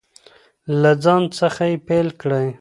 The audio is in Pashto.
له ځان څخه یې پیل کړئ.